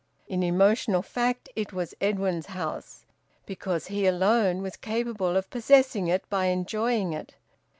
In emotional fact it was Edwin's house, because he alone was capable of possessing it by enjoying it.